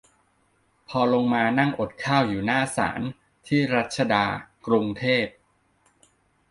พอลงมานั่งอดข้าวอยู่หน้าศาล ที่รัชดา กรุงเทพ